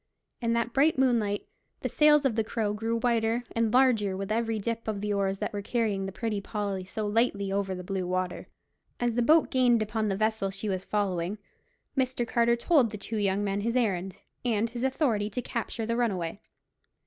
In that bright moonlight the sails of the Crow grew whiter and larger with every dip of the oars that were carrying the Pretty Polly so lightly over the blue water. As the boat gained upon the vessel she was following, Mr. Carter told the two young men his errand, and his authority to capture the runaway.